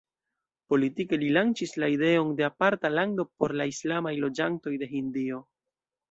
Politike li lanĉis la ideon de aparta lando por la islamaj loĝantoj de Hindio.